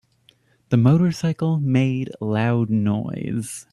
The motorcycle made loud noise.